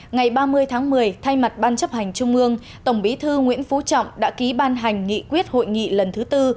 ngày ba mươi tháng một mươi thay mặt ban chấp hành trung ương tổng bí thư nguyễn phú trọng đã ký ban hành nghị quyết hội nghị lần thứ tư